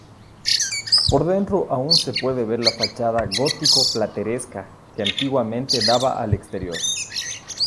Por dentro aún se puede ver la fachada gótico-plateresca que antiguamente daba al exterior.